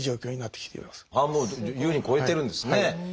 半分を優に超えてるんですね。